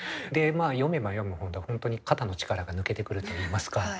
で読めば読むほど本当に肩の力が抜けてくるといいますか。